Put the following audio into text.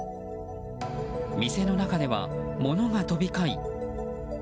店の中では、物が飛び交い。